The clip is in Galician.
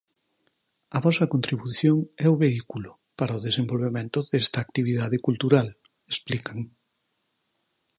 A vosa contribución é o vehículo, para o desenvolvemento desta actividade cultural, explican.